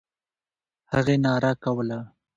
هغې ناره کوله.